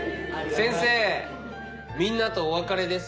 先生みんなとお別れです。